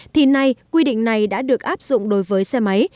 thì nay quy định này đã được áp dụng đối với xe máy